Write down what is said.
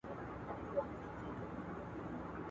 د دلارام دښته د بادونو په وخت کي ډېره توده سي